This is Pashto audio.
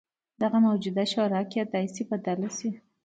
دغه موجوده شورا کېدای شي بدله شي.